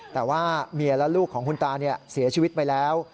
แต่ว่าเมียและลูกของคุณตาเสียชีวิตไปแล้ว